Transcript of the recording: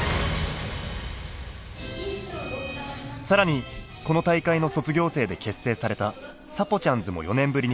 更にこの大会の卒業生で結成されたサポちゃんズも４年ぶりに復活。